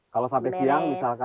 kalau sampai siang misalkan